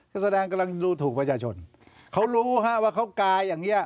ก็แสดงกำลังดูถูกประชาชนเขารู้ฮะว่าเขากายอย่างเงี้